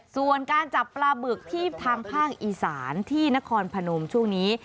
ส่วนการจับปลาบึกที่ทางภาคอีสานที่นครพนมช่วงนี้